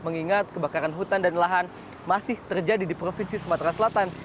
mengingat kebakaran hutan dan lahan masih terjadi di provinsi sumatera selatan